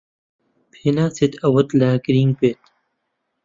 پێناچێت ئەوەت لا گرنگ بێت.